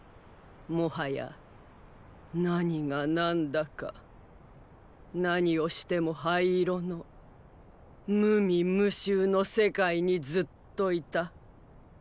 もはや何が何だか何をしても灰色の無味無臭の世界にずっといた。